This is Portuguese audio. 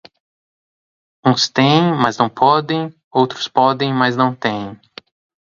Uns têem mas não podem, outros podem mas não têem.